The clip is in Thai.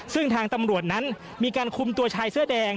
ซึ่งทางตำรวจนั้นมีการคุมตัวชายเสื้อแดง